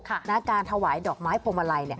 และการถวายดอกไม้พวงมาลัย